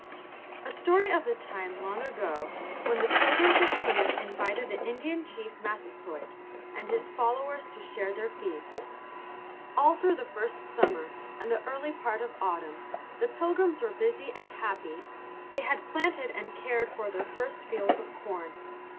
A story of the time long ago when the Pilgrims of Plymouth invited the Indian chief Massasoit and his followers to share their feast. All through the first summer and the early part of autumn the Pilgrims were busy and happy. They had planted and cared for their first fields of corn.